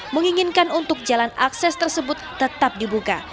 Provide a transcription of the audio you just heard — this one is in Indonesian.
menginginkan untuk jalan akses tersebut tetap dibuka